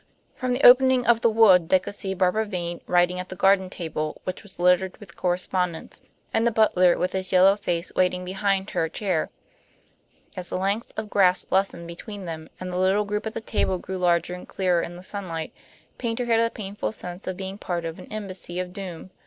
From the opening of the wood they could see Barbara Vane writing at the garden table, which was littered with correspondence, and the butler with his yellow face waiting behind her chair. As the lengths of grass lessened between them, and the little group at the table grew larger and clearer in the sunlight, Paynter had a painful sense of being part of an embassy of doom.